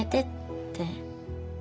って。